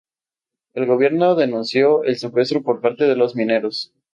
El gobierno denunció el secuestro por parte de los mineros.